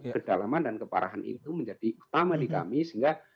kedalaman dan keparahan itu menjadi utama di kami sehingga